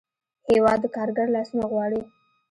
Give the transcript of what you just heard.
هېواد د کارګر لاسونه غواړي.